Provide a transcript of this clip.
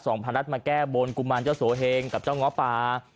พระนัดมาแก้บนกุมารเจ้าโสเฮงกับเจ้าง้อปลา